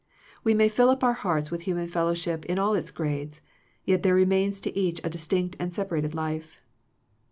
We may fill up our hearts with human fellowship in all its grades, yet there remains to each a distinct and sep arated life.